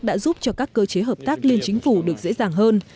đã giúp cho các cơ chế hợp tác liên chính phủ được dễ dàng hơn